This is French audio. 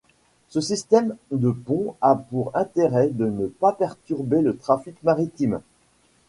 Ce système de pont a pour intérêt de ne pas perturber le trafic maritime.